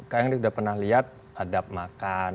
kayaknya udah pernah lihat adab makan